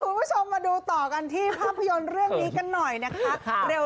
คุณผู้ชมมาดูต่อกันที่ภาพยนตร์เรื่องนี้กันหน่อยนะคะ